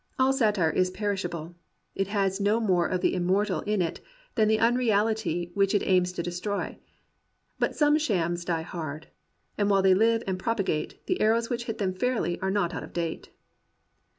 All satire is perishable. It has no more of the inmiortal in it than the unreality which it aims to destroy. But some shams die hard. And while they live and propagate, the arrows which hit them fairly are not out of date.